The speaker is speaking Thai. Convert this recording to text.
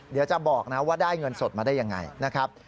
เดี๋ยวจะบอกนะว่าได้เงินสดมาได้ยังไงนะครับ